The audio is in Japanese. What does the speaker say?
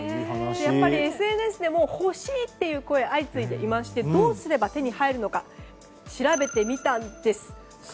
やっぱりＳＮＳでも欲しいという声が相次いでいましてどうすれば手に入るのか調べてみたんです。